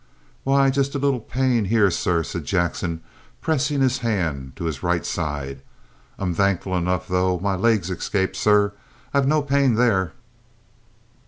"Why, just a little pain here, sir," said Jackson, pressing his hand to his right side. "I'm thankful, though, my legs escaped, sir. I've no pain there."